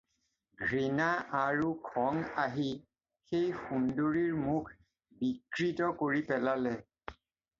ঘৃণা আৰু খং আহি সেই সুন্দৰীৰ মুখ বিকৃত কৰি পেলালে।